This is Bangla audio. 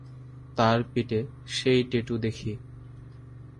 তার পিঠে সেই ট্যাটু দেখি।